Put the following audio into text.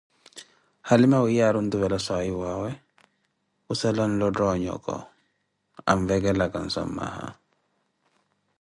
halima wiiya âri ontuvela swahiphuʼawe, khussala anlotha onhoko anvekelaka nsuammaya